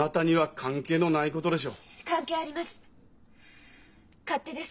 関係あります！